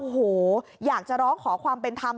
โอ้โหอยากจะร้องขอความเป็นธรรม